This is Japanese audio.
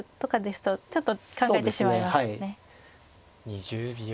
２０秒。